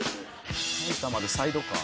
「埼玉でサイドカー？